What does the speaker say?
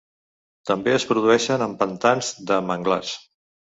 També es produeixen en pantans de manglars.